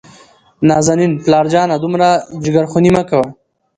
نازنين : پلار جانه دومره جګرخوني مه کوه.